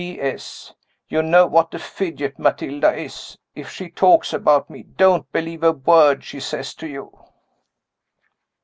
P. S. You know what a fidget Matilda is. If she talks about me, don't believe a word she says to you."